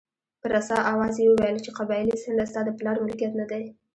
په رسا اواز یې وویل چې قبایلي څنډه ستا د پلار ملکیت نه دی.